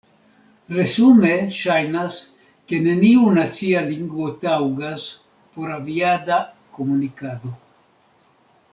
Resume, ŝajnas, ke neniu nacia lingvo taŭgas por aviada komunikado.